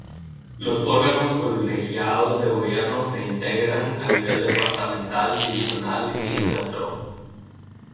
Los órganos colegiados de gobierno se integran a nivel departamental, divisional y de centro.